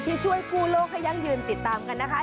ที่ช่วยกู้โล่ขยังยืนติดตามกันนะคะ